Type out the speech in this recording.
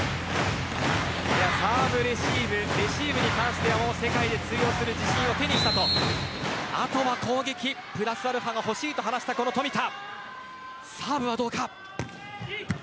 サーブレシーブレシーブに関しては山本、世界で通用する自信をつけたとあとは攻撃、プラスアルファが欲しいと話した、この富田。